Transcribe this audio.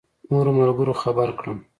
نورو ملګرو خبر کړم.